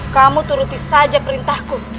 kamu turuti saja perintahku